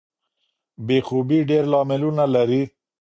بې خوبۍ ډیر لاملونه لري.